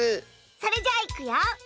それじゃあいくよ。